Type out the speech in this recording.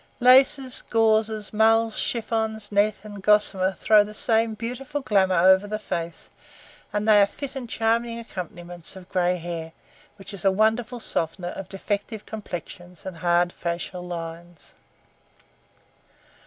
Laces, gauzes, mulls, chiffons, net, and gossamer throw the same beautiful glamour over the face and they are fit and charming accompaniments of gray hair, which is a wonderful softener of defective complexions and hard facial lines.